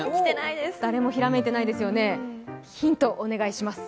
誰もひらめいていないですね、ヒントをお願いします。